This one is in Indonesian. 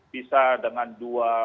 bisa dengan dua